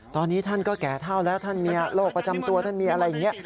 ตอนนี้ท่านก็แก่เท่าแล้วท่านมีโรคประจำตัวท่านมีอะไรอย่างนี้